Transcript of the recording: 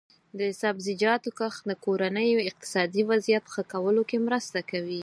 د سبزیجاتو کښت د کورنیو اقتصادي وضعیت ښه کولو کې مرسته کوي.